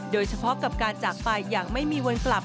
โดยเฉพาะกับการจากไปอย่างไม่มีวันกลับ